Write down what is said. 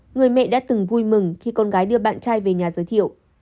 người mẹ đã từng vui mừng khi con gái đưa bạn trai về nhà giới thiệu